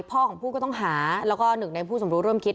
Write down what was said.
ของผู้ต้องหาแล้วก็หนึ่งในผู้สมรู้ร่วมคิด